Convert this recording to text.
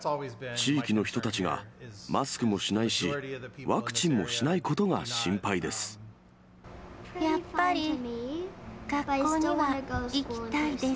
地域の人たちがマスクもしないし、ワクチンもしないことが心配です。